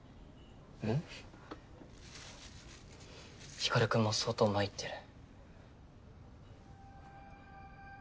光君も相当参ってる。